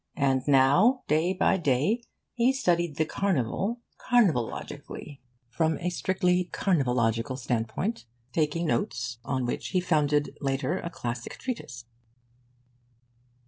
And now, day by day, he studied the Carnival from a strictly carnivalogical standpoint, taking notes on which he founded later a classic treatise.